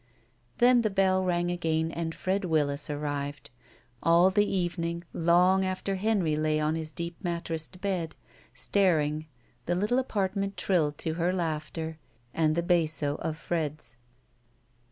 Then the bell rang again and Fred Willis arrived. All the evening, long after Henry lay on his deep mattressed bed, staring, the little apartment trilled to her laughter and the basso of Fred's.